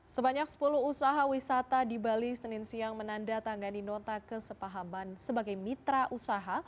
sebanyak sepuluh usaha wisata di bali senin siang menandatangani nota kesepahaman sebagai mitra usaha